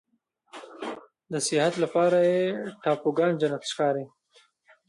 د سیاحت لپاره یې ټاپوګان جنت ښکاري.